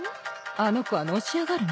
あの子はのし上がるね。